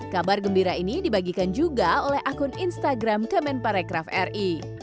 kabar gembira ini dibagikan juga oleh akun instagram kemenparekraf ri